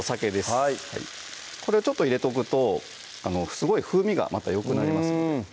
はいこれをちょっと入れとくとすごい風味がまたよくなります